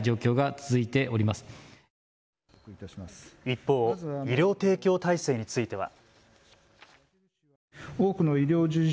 一方、医療提供体制については。